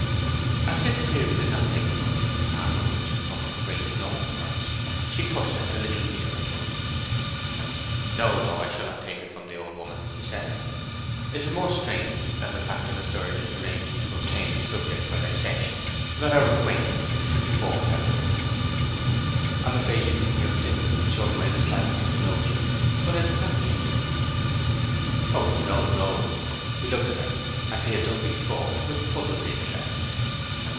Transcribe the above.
As Fitzpiers did not take up the money (half of which had come from Grace's own purse), she pushed it a little nearer to him. "No, no. I shall not take it from the old woman," he said. "It is more strange than the fact of a surgeon arranging to obtain a subject for dissection that our acquaintance should be formed out of it." "I am afraid you think me uncivil in showing my dislike to the notion. But I did not mean to be." "Oh no, no." He looked at her, as he had done before, with puzzled interest.